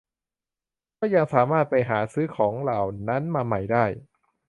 ก็ยังสามารถไปหาซื้อของเหล่านั้นมาใหม่ได้